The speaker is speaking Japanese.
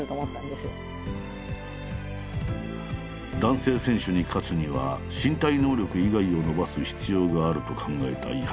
男性選手に勝つには身体能力以外を伸ばす必要があると考えた井原。